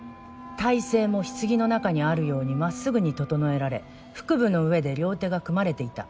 体勢も棺の中にあるようにまっすぐに整えられ腹部の上で両手が組まれていた。